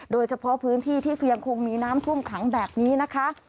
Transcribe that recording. โดยเฉพาะพื้นที่ที่คือยังคงมีน้ำท่วมขังแบบนี้นะคะ